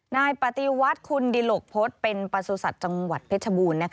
นายปฏิวัติคุณดิหลกพฤษเป็นประสุทธิ์จังหวัดเพชรบูรณ์